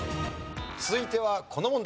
続いてはこの問題。